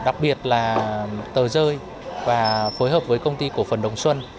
đặc biệt là tờ rơi và phối hợp với công ty cổ phần đồng xuân